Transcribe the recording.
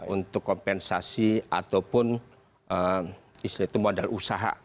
untuk kompensasi ataupun modal usaha